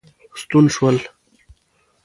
ستون شول.